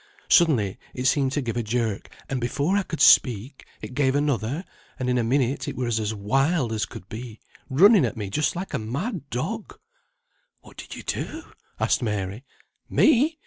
Suddenly it seemed to give a jerk, and before I could speak, it gave another, and in a minute it was as wild as could be, running at me just like a mad dog." "What did you do?" asked Mary. "Me!